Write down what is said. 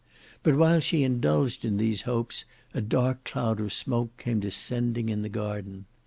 But while she indulged in these hopes, a dark cloud of smoke came descending in the garden.